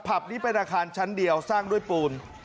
นี้เป็นอาคารชั้นเดียวสร้างด้วยปูน